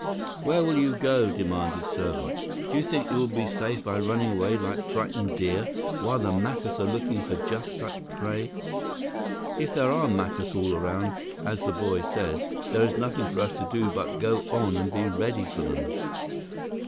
"Where will you go?" demanded Serbot. "Do you think you will be safe by running away like frightened deer, while the Macus are looking for just such prey? If there are Macus all around, as the boy says, there is nothing for us to do but go on and be ready for them!"